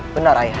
benar ayah anda